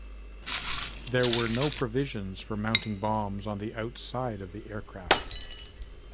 There were no provisions for mounting bombs on the outside of the aircraft.